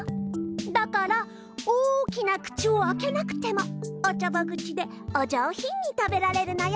だから大きな口をあけなくてもおちょぼ口でお上ひんに食べられるのよ。